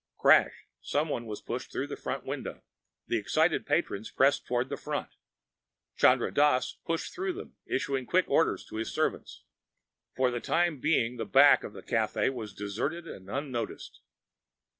Crash someone was pushed through the front window. The excited patrons pressed toward the front. Chandra Dass pushed through them, issuing quick orders to his servants. For the time being the back of the café was deserted and unnoticed.